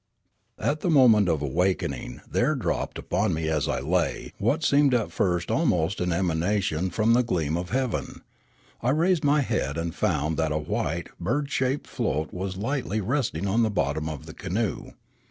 At the moment of awakening there dropped upon 267 268 Riallaro me as I lay what seemed at first almost an eman ation from the gleam of heaven. I raised my head and found that a white, bird shaped float was lightly resting on the bottom of the canoe.